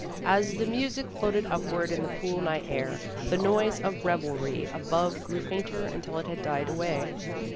As the music floated upward in the cool night air, the noise of revelry above grew fainter until it had died away.